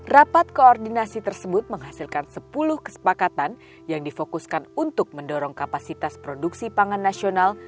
rapat koordinasi tersebut menghasilkan sepuluh kesepakatan yang difokuskan untuk mendorong kapasitas produksi pangan nasional